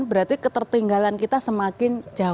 berarti ketertinggalan kita semakin jauh